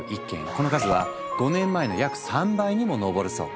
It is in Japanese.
この数は５年前の約３倍にも上るそう。